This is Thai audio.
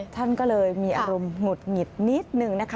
ท่านก็เลยมีอารมณ์หงุดหงิดนิดนึงนะคะ